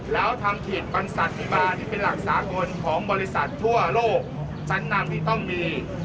แล้วทำเขตบรรษาธิบาที่เป็นหลักสากลของบริษัททั่วโลกชั้นนำที่ต้องมี